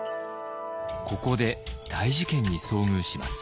ここで大事件に遭遇します。